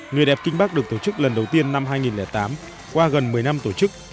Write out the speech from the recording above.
người đẹp kinh bắc được tổ chức lần đầu tiên năm hai nghìn tám qua gần một mươi năm tổ chức